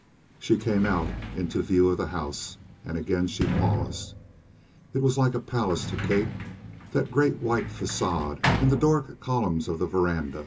She came out into view of the house. And again she paused. It was like a palace to Kate, that great white facade and the Doric columns of the veranda.